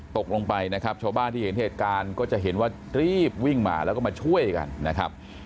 ตกลงไปนะครับชาวบ้านที่เห็นเหตุการณ์ก็จะเห็นว่ารีบวิ่งมาแล้วก็มาช่วยกันนะครับ